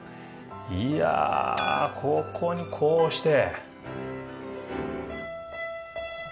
いやここにこうして。